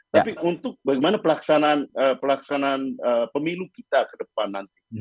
tapi untuk bagaimana pelaksanaan pemilu kita ke depan nanti